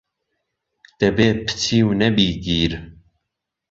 دەبێ پچی و نەبی گیر